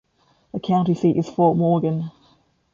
The county seat is Fort Morgan.